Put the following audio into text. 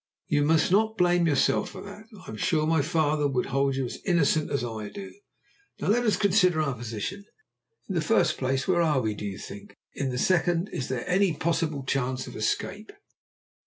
"You must not blame yourself for that. I am sure my father would hold you as innocent as I do. Now let us consider our position. In the first place, where are we, do you think? In the second, is there any possible chance of escape?"